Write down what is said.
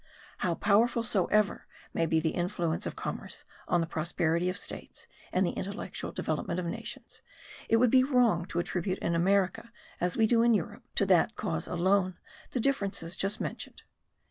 How powerful soever may be the influence of commerce on the prosperity of states, and the intellectual development of nations, it would be wrong to attribute in America, as we do in Europe, to that cause alone the differences just mentioned.